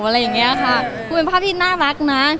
เป็นภาพที่น่ารักนะ